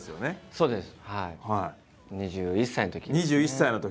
そうです。